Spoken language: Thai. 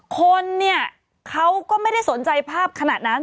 คนเนี่ยเขาก็ไม่ได้สนใจภาพขนาดนั้น